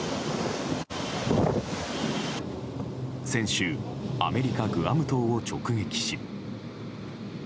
先週、アメリカグアム島を直撃し。